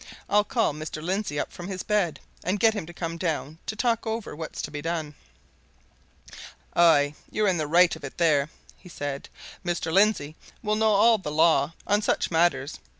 I'll call Mr. Lindsey up from his bed, and get him to come down to talk over what's to be done." "Aye, you're in the right of it there," he said. "Mr. Lindsey'll know all the law on such matters.